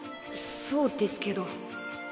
そうですけど。